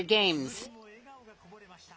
鈴木も笑顔がこぼれました。